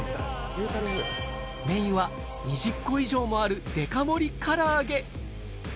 メインは、２０個以上もあるデカ盛りから揚げ。